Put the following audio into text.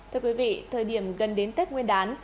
thưa quý vị thời điểm gần đến tết nguyên đán